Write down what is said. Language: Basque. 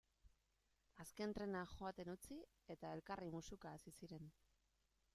Azken trena joaten utzi eta elkarri musuka hasi ziren.